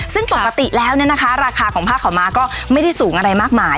ซึ่งปกติแล้วเนี่ยนะคะราคาของผ้าขาวม้าก็ไม่ได้สูงอะไรมากมาย